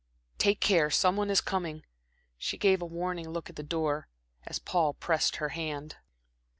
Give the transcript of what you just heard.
Take care some one is coming." She gave a warning look at the door, as Paul pressed her hand.